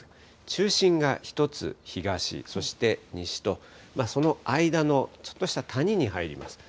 中心が１つ東、そして西と、その間のちょっとした谷に入ります。